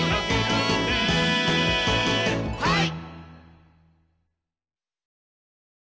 はい！